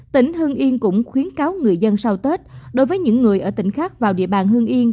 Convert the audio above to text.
tỉnh hưng yên cũng khuyến cáo người dân sau tết đối với những người ở tỉnh khác vào địa bàn hương yên